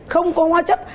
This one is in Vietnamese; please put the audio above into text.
không có hóa chất